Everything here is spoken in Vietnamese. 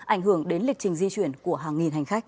ảnh hưởng đến lịch trình di chuyển của hàng nghìn hành khách